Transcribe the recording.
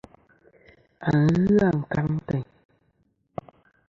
A ghɨ ankaŋ teyn.